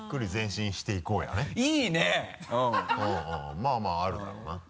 まぁまぁあるだろうな。